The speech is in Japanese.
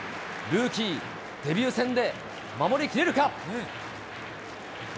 ルーキー、デビュー戦で守り切れるか。